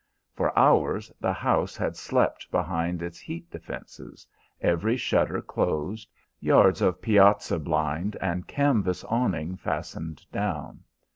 For hours the house had slept behind its heat defenses, every shutter closed, yards of piazza blind and canvas awning fastened down.